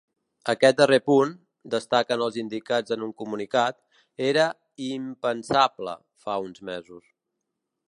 Aquest darrer punt, destaquen els indicats en un comunicat, era ‘impensable’ fa uns mesos.